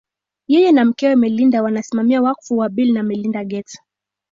Yeye na mkewe Melinda wanasimamia wakfu wa Bill na Melinda Gates